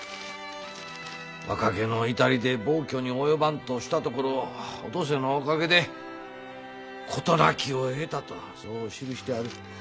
「若気の至りで暴挙に及ばんとしたところをお登勢のおかげで事なきを得た」とそう記してある。